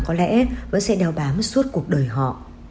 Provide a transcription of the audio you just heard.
có lẽ vẫn sẽ đeo bám suốt cuộc đời họ